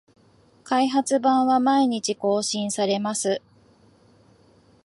開発版は毎日更新されます